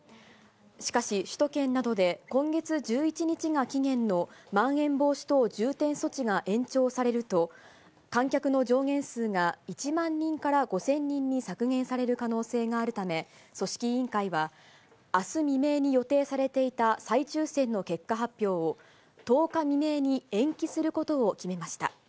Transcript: しかし、首都圏などで今月１１日が期限のまん延防止等重点措置が延長されると、観客の上限数が１万人から５０００人に削減される可能性があるため、組織委員会は、あす未明に予定されていた再抽せんの結果発表を、１０日未明に延期することを決めました。